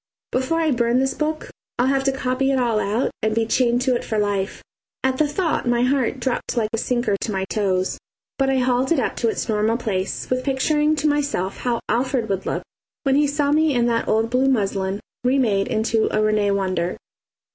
Before I burn this book I'll have to copy it all out and be chained to it for life. At the thought my heart dropped like a sinker to my toes; but I hauled it up to its normal place with picturing to myself how Alfred would look when he saw me in that old blue muslin remade into a Rene wonder.